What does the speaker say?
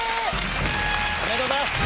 おめでとうございます！